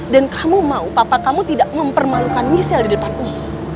dan kamu mau papa kamu tidak mempermalukan michelle di depan umum